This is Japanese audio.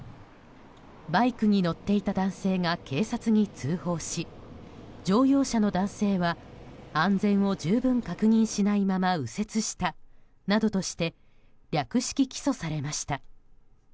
バイクに乗っていた男性が警察に通報し乗用車の男性は安全を十分確認しないまま右折したなどとして略式起訴されました。